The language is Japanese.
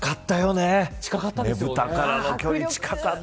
ねぶたからの距離近かった。